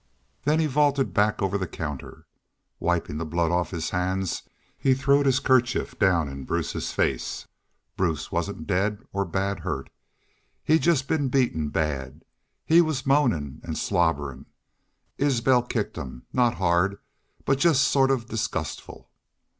Then he vaulted back over the counter. Wipin' the blood off his hands, he throwed his kerchief down in Bruce's face. Bruce wasn't dead or bad hurt. He'd jest been beaten bad. He was moanin' an' slobberin'. Isbel kicked him, not hard, but jest sort of disgustful.